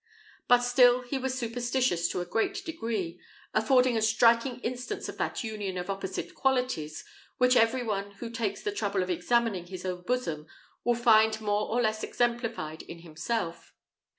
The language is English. But still he was superstitious to a great degree, affording a striking instance of that union of opposite qualities, which every one who takes the trouble of examining his own bosom will find more or less exemplified in himself.